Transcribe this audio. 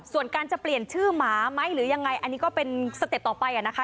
ส่วนการจะเปลี่ยนชื่อหมาไหมหรือยังไงอันนี้ก็เป็นสเต็ปต่อไปนะคะ